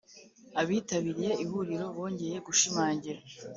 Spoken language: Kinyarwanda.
Abitabiriye ihuriro bongeye gushimangira